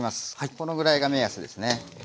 このぐらいが目安ですね。